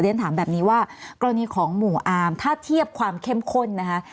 ฉันถามแบบนี้ว่ากรณีของหมู่อาร์มถ้าเทียบความเข้มข้นนะคะ